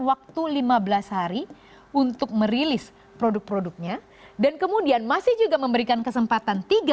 waktu lima belas hari untuk merilis produk produknya dan kemudian masih juga memberikan kesempatan